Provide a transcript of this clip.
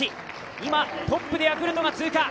今、トップでヤクルトが通過。